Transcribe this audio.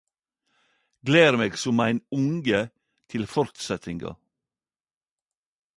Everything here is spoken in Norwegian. Gler meg som ein unge til fortsettinga.